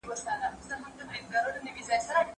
په ځینو صورتونو کي د ژوند حق اخیستل کیږي.